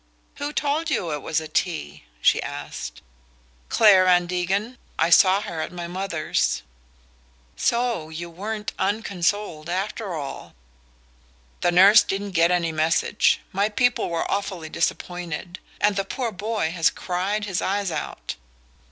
"Who told you it was a tea?" she asked. "Clare Van Degen. I saw her at my mother's." "So you weren't unconsoled after all !" "The nurse didn't get any message. My people were awfully disappointed; and the poor boy has cried his eyes out."